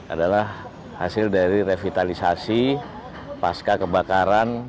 adalah hasil dari revitalisasi pasca kebakaran